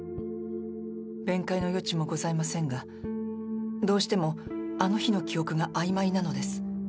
弁解の余地もございませんがどうしてもあの日の記憶が曖昧なのです。